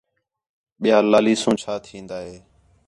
ٻِیال لالیسوں چَھا تِھین٘دا ہے